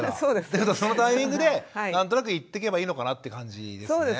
そのタイミングで何となく言っていけばいいのかなという感じですね。